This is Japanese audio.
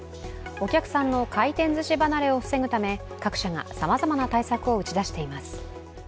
お客さんの回転ずし離れを防ぐため各社がさまざまな対策を打ち出しています。